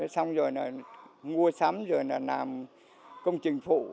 xong rồi nó mua sắm rồi nó làm công trình phụ